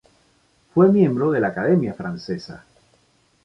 Fue miembro de la Academia francesa.